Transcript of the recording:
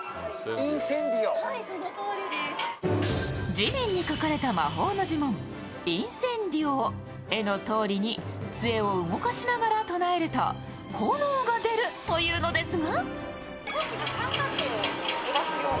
地面に描かれた魔法の呪文、インセンディオを絵のとおりにつえを動かしながら唱えると炎が出るというのですが。